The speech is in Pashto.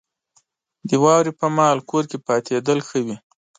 • د واورې پر مهال کور کې پاتېدل ښه وي.